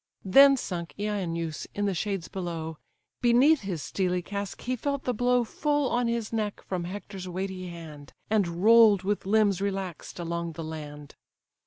Then sunk Eioneus to the shades below, Beneath his steely casque he felt the blow Full on his neck, from Hector's weighty hand; And roll'd, with limbs relax'd, along the land.